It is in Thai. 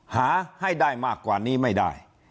หาให้ได้มากกว่านี้ไม่ได้